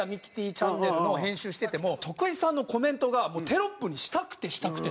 チャンネルの編集してても徳井さんのコメントがもうテロップにしたくてしたくて。